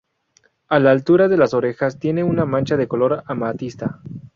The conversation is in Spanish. A la altura de las orejas, tiene una mancha de color amatista.